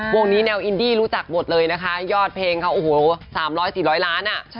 วงนี้แนวอินดี้รู้จักหมดเลยนะคะยอดเพลงเขาโอ้โห๓๐๐๔๐๐ล้านอ่ะ